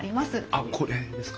あっこれですか？